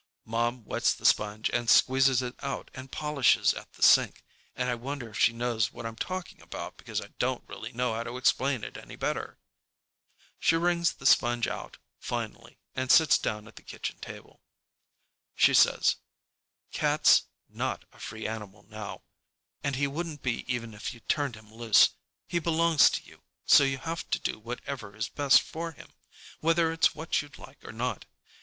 Mom wets the sponge and squeezes it out and polishes at the sink, and I wonder if she knows what I'm talking about because I don't really know how to explain it any better. She wrings the sponge out, finally, and sits down at the kitchen table. She says, "Cat's not a free wild animal now, and he wouldn't be even if you turned him loose. He belongs to you, so you have to do whatever is best for him, whether it's what you'd like or not.